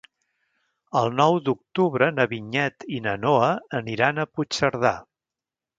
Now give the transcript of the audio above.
El nou d'octubre na Vinyet i na Noa aniran a Puigcerdà.